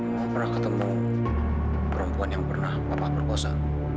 mama pernah ketemu perempuan yang pernah papa berposa